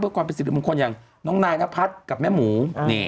เพื่อความเป็นสิริมงคลอย่างน้องนายนพัฒน์กับแม่หมู